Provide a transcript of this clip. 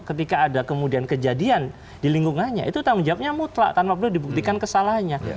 ketika ada kemudian kejadian di lingkungannya itu tanggung jawabnya mutlak tanpa perlu dibuktikan kesalahannya